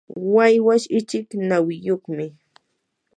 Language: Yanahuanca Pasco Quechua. waywash ichik nawiyuqmi.